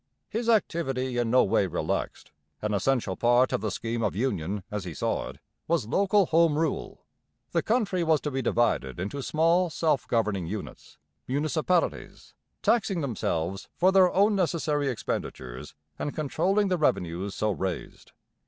His activity in no way relaxed. An essential part of the scheme of union, as he saw it, was local home rule. The country was to be divided into small self governing units municipalities taxing themselves for their own necessary expenditures and controlling the revenues so raised.